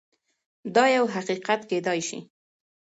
دا يو حقيقت کيدای شي.